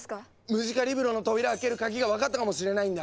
ムジカリブロの扉を開ける鍵がわかったかもしれないんだ！